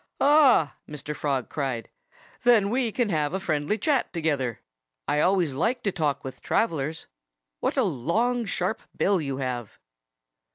"Ah!" Mr. Frog cried. "Then we can have a friendly chat together. I always like to talk with travellers. ... What a long, sharp bill you have!"